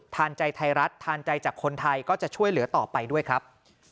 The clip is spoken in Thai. ทานใจไทยรัฐทานใจจากคนไทยก็จะช่วยเหลือต่อไปด้วยครับ